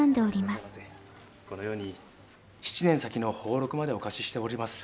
このように７年先の俸禄までお貸ししております。